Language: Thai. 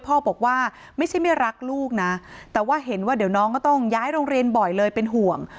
พ่อบอกว่าไม่ใช่ไม่รักลูกนะแต่ว่าเห็นว่าเดี๋ยวน้องก็ต้องย้ายโรงเรียนบ่อยเลยเป็นห่วง